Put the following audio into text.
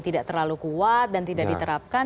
tidak terlalu kuat dan tidak diterapkan